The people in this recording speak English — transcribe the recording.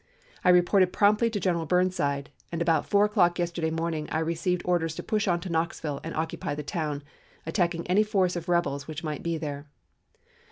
I reported promptly to General Burnside, and about four o'clock yesterday morning I received orders to push on into Knoxville and occupy the town, attacking any force of rebels which might be there.